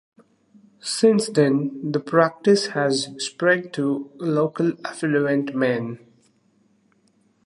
Since then the practice has spread to local affluent men.